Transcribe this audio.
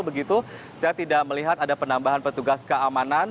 begitu saya tidak melihat ada penambahan petugas keamanan